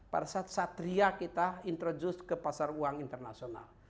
pada saat satria kita introduce ke pasar uang internasional